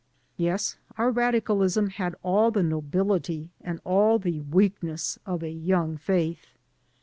Yes, our radicalism had all the nobility and all the weaknesses of a young faith.